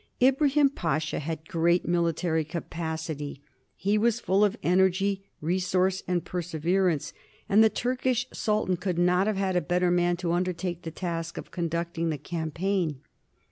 Ibrahim Pasha had great military capacity; he was full of energy, resource, and perseverance, and the Turkish Sultan could not have had a better man to undertake the task of conducting the campaign.